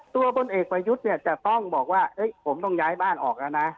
ตัวบนเอกมายุทธ์จะต้องบอกว่าผมต้องย้ายบ้านออกแล้วนะ